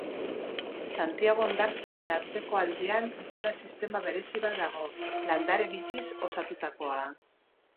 Santiago hondartzaren atzeko aldean duna sistema berezi bat dago, landare bitxiz osatutakoa.